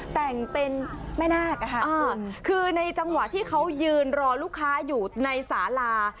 แต่งเป็นแม่นาคคือในจังหวะที่เขายืนรอลูกค้าอยู่ในสาลา